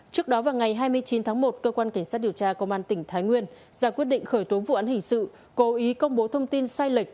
trước đó vào ngày hai mươi chín tháng một cơ quan cảnh sát điều tra công an tỉnh thái nguyên ra quyết định khởi tố vụ án hình sự cố ý công bố thông tin sai lệch